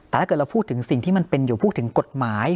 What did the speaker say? แต่ถ้าเกิดเราพูดถึงสิ่งที่มันเป็นอยู่พูดถึงกฎหมาย